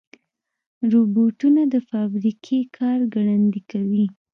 روبوټونه د فابریکې کار ګړندي کوي.